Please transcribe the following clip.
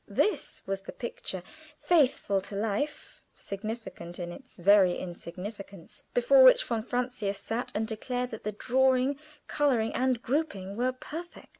This was the picture; faithful to life, significant in its very insignificance, before which von Francius sat, and declared that the drawing, coloring, and grouping were perfect.